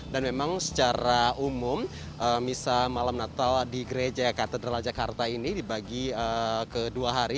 dan memang secara umum misa malam natal di gereja katedral jakarta ini dibagi ke dua hari